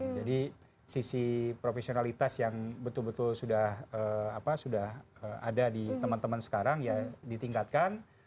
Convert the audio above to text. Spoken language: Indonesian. jadi sisi profesionalitas yang betul betul sudah ada di teman teman sekarang ya ditingkatkan